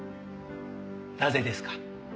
なぜですか？